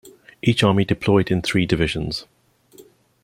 Each army deployed in three divisions.